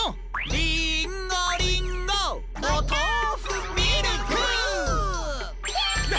リーンゴリンゴおとうふミルクできた！